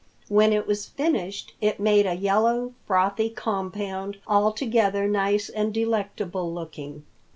When it was finished, it made a yellow, frothy compound, altogether nice and delectable looking.